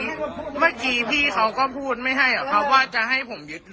ผมมีศรัทธาพาผมมากลับไหว้มาทำบุญก็ดีแหละ